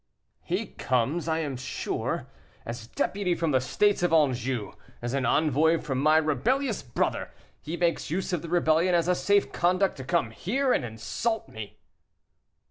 "He comes, I am sure, as deputy from the states of Anjou as an envoy from my rebellious brother. He makes use of the rebellion as a safe conduct to come here and insult me."